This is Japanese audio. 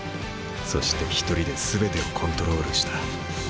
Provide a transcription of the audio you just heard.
そして一人で全てをコントロールした。